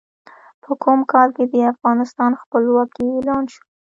په کوم کال کې د افغانستان خپلواکي اعلان شوه؟